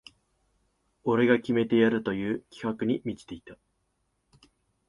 俺が決めてやるという気迫に満ちていた